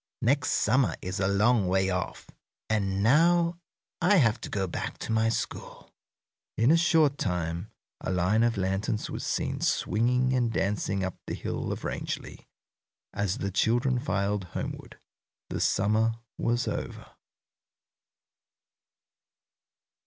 Next summer is a long way off. And now I have to go back to my school." In a short time a line of lanterns was seen swinging and dancing up the hill of Rangeley as the children filed homeward. The summer was over.